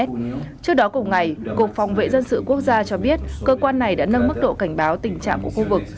trước đó cùng ngày cục phòng vệ dân sự quốc gia cho biết cơ quan này đã nâng mức độ cảnh báo tình trạng của khu vực